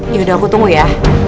yaudah aku tunggu ya